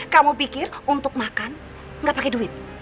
kamu pikir untuk makan gak pakai duit